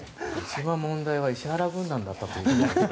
その問題は石原軍団だったと。